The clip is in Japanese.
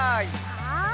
はい。